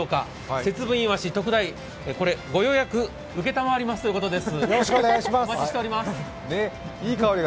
節分いわし、特大、ご予約承りますということです。